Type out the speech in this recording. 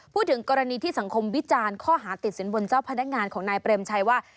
พูดถึงกรณีที่สังคมวิจารณ์ข้อหาติดสินบนเจ้าพนักงานของนายเปรมชัยว่า